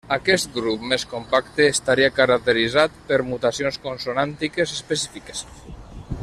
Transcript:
Aquest grup més compacte estaria caracteritzat per mutacions consonàntiques específiques.